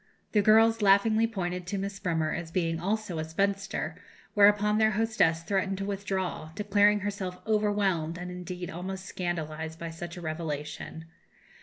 The girls laughingly pointed to Miss Bremer as being also a spinster; whereupon their hostess threatened to withdraw, declaring herself overwhelmed, and, indeed, almost scandalized by such a revelation.